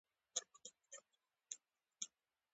د هېواد مرکز د افغان تاریخ په کتابونو کې ذکر شوی دي.